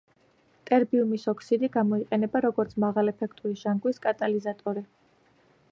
ტერბიუმის ოქსიდი გამოიყენება როგორც მაღალეფექტური ჟანგვის კატალიზატორი.